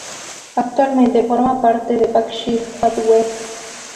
Actualmente forma parte de Berkshire Hathaway.